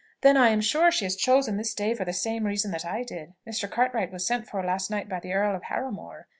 "Then I am sure she has chosen this day for the same reason that I did. Mr. Cartwright was sent for last night by the Earl of Harrowmore.